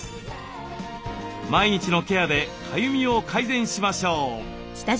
毎日のケアでかゆみを改善しましょう。